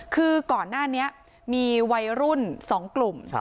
คือก่อนหน้านี้มีวัยรุ่น๒กลุ่ม